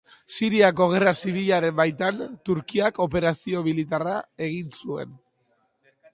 Siriako gerra zibilaren baitan, Turkiak operazio militarra egin zuen.